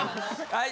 はい。